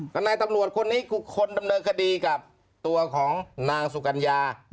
ทนายตำรวจคนนี้คือคนดำเนินคดีกับตัวของนางสุกัญญา